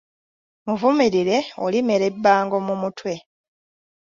Muvumirire olimera ebbango mu mutwe